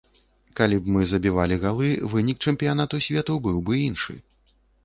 Калі б мы забівалі галы, вынік чэмпіянату свету быў бы іншы.